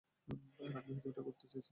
আর আমি পৃথিবীটা ঘুরতে চেয়েছিলাম।